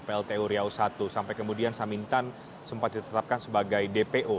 plt uriau satu sampai kemudian samintan sempat ditetapkan sebagai dpo